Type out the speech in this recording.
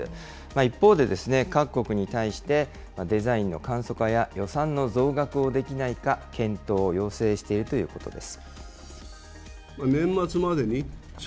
一方で、各国に対して、デザインの簡素化や、予算の増額をできないか、検討を要請しているということです。